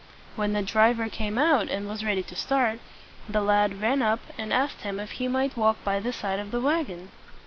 When the driver came out and was ready to start, the lad ran up and asked him if he might walk by the side of the wagon.